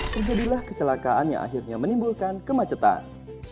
terjadilah kecelakaan yang akhirnya menimbulkan kemacetan